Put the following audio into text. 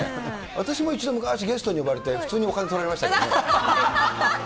私も一度、昔、ゲストで呼ばれて、普通にお金取られましたか